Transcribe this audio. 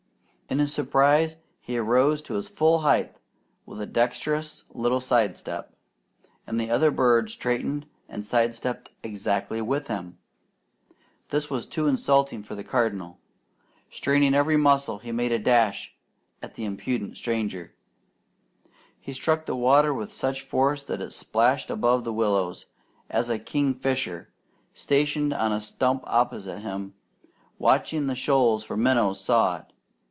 In his surprise he arose to his full height with a dexterous little side step, and the other bird straightened and side stepped exactly with him. This was too insulting for the Cardinal. Straining every muscle, he made a dash at the impudent stranger. He struck the water with such force that it splashed above the willows, and a kingfisher, stationed on a stump opposite him, watching the shoals for minnows, saw it.